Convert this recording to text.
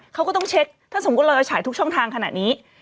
เขาก็ต้องเช็คถ้าสมมุติเราจะฉายทุกช่องทางขนาดนี้